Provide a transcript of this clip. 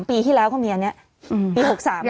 ๓ปีที่แล้วเขาเมียนี้ปี๖๓ยังอยู่